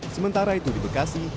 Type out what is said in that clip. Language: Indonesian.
sementara itu di bekasi